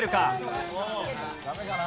ダメかな？